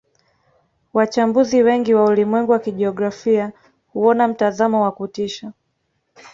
Wachambuzi wengi wa ulimwengu wa kijiografia huona mtazamo wa kutisha